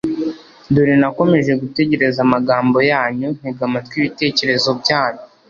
dore nakomeje gutegereza amagambo yanyu, ntega amatwi ibitekerezo byanyu